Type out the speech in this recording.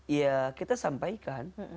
ya kita sampaikan